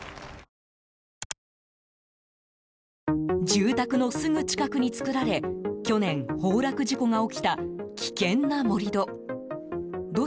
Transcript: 住宅のすぐ近くに作られ去年、崩落事故が起きた危険な盛り土。